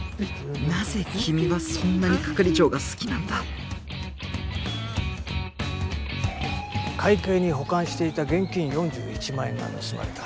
なぜ君はそんなに係長が好きなんだ会計に保管していた現金４１万円が盗まれた。